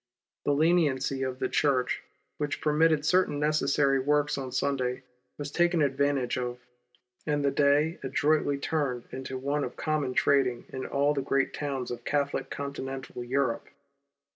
The leniency of the Church which permitted certain necessary works on Sunday, was taken advantage of, and the day adroitly turned into one of common trading in all the great towns of Catholic Conti nental Europe.